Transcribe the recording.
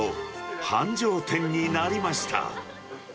繁盛店になりました。